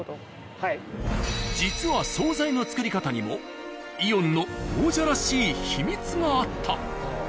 実は惣菜の作り方にも「イオン」の王者らしい秘密があった。